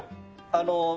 あの。